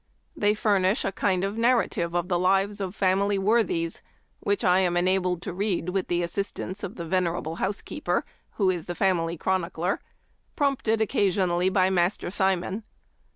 They furnish a kind of narrative of the lives of family worthies, which I am enabled to read with the assistance of the venerable housekeeper, who is the family chroni cler, prompted occasionally by Master Simon.